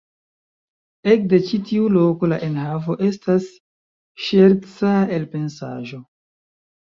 Ekde ĉi tiu loko la enhavo estas ŝerca elpensaĵo.